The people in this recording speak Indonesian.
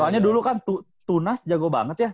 soalnya dulu kan tunas jago banget ya